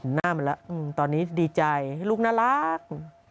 หน้ามันแล้วตอนนี้ดีใจลูกน่ารัก